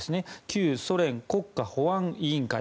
旧ソ連国家保安委員会。